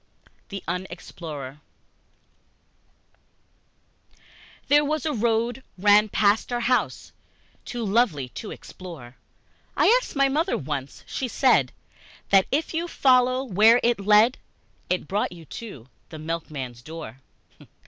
The Unexplorer THERE was a road ran past our house Too lovely to explore. I asked my mother once she said That if you followed where it led It brought you to the milkman's door.